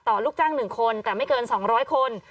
ต่อลูกจ้างหนึ่งคนแต่ไม่เกินสองร้อยคน